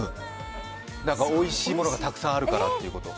おいしいものがたくさんあるからということ。